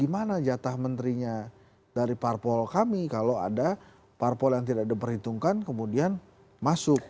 mana jatah menterinya dari parpol kami kalau ada parpol yang tidak diperhitungkan kemudian masuk